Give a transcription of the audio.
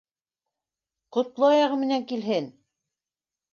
Ҡотло аяғы менән килһен!